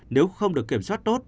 nếu không được kiểm soát tốt